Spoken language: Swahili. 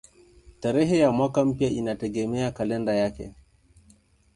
Tarehe ya mwaka mpya inategemea kalenda yake.